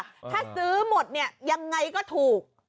ถ้าซื้อหมดเนี่ยยังไงก็ถูก